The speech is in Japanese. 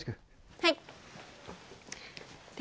はい。